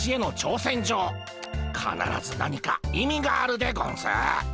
かならず何か意味があるでゴンス。